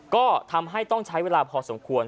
ก็ทำให้ต้องใช้เวลาพอสมควร